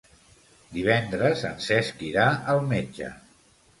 Divendres en Cesc irà al metge.